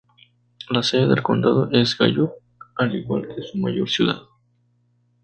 La sede del condado es Gallup, al igual que su mayor ciudad.